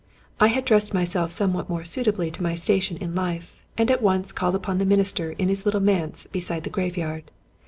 I had dressed myself somewhat more suitably to my sta tion in life, and at once called upon the minister in his lit tle manse beside the graveyard.